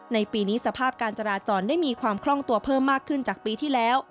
ในปีนี้สภาพการจราจรได้มีความคล่องตัวเพิ่มมากขึ้นจากปีที่แล้ว